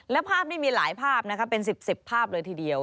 และภาพนี้มีหลายภาพนะคะเป็น๑๐ภาพเลยทีเดียว